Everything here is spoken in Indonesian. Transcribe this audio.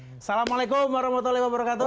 assalamualaikum warahmatullahi wabarakatuh